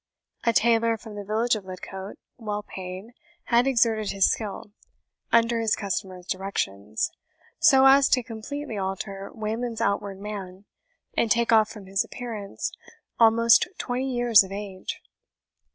A tailor from the village of Lidcote (well paid) had exerted his skill, under his customer's directions, so as completely to alter Wayland's outward man, and take off from his appearance almost twenty years of age.